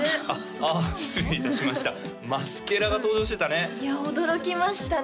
あっ失礼いたしましたマスケラが登場してたねいや驚きましたね